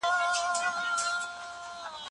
زبير بن عوام د ابوبکر صديق زوم و.